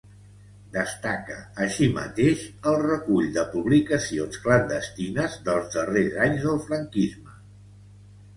Destaca així mateix el recull de publicacions clandestines dels darrers anys del franquisme.